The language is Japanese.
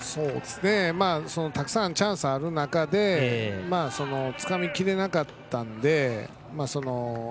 たくさんチャンスのある中で、つかみきれなかったんですねチャンスを。